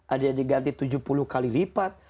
ada yang diganti tujuh puluh kali lipat